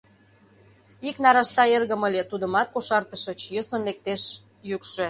— Ик нарашта эргым ыле, тудымат кошартышыч, — йӧсын лектеш йӱкшӧ.